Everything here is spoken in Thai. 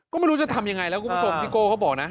ก็ไม่รู้จะทำอย่างไรแล้วที่โก้เข้าบอกนะ